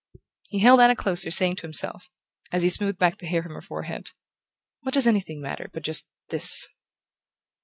He held Anna closer, saying to himself, as he smoothed back the hair from her forehead: "What does anything matter but just THIS?